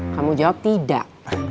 kamu jawab tidak